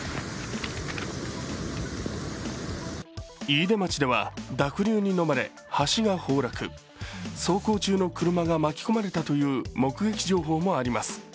飯豊町では濁流にのまれ、橋が崩落走行中の車が巻き込まれたという目撃情報もあります。